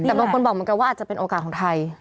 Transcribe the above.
แต่บางคนบอกเหมือนกันว่าอาจจะเป็นโอกาสของไทย